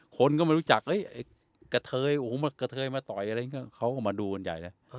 คนก็มารู้จักเอ้ยกระเทยโอ้โหกระเทยมาต่อยอะไรเขาก็มาดูบรรยายน่ะอ่า